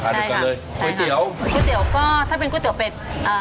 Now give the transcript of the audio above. ก๋วยเตี๋ยวก๋วยเตี๋ยวก็ถ้าเป็นก๋วยเตี๋ยวเป็ด๔๐